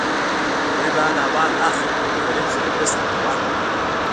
د غریب حال احوال اخله او د غریب سره مرسته کوه.